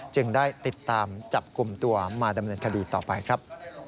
จึงได้ติดตามจับกลุ่มตัวมาดำเนินคดีต่อไปครับ